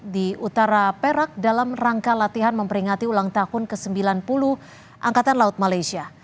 di utara perak dalam rangka latihan memperingati ulang tahun ke sembilan puluh angkatan laut malaysia